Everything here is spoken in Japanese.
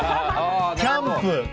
キャンプ。